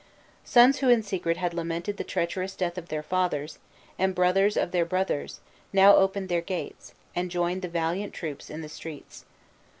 Sons who in secret had lamented the treacherous death of their fathers, and brothers of their brothers, now opened their gates, and joined the valiant troops in the streets.